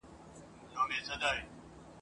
شمله جګه وي ور پاته د وختونو به غلام وي ..